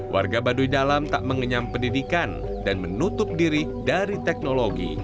warga baduy dalam tak mengenyam pendidikan dan menutup diri dari teknologi